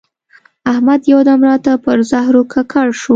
احمد یو دم راته پر زهرو ککړ شو.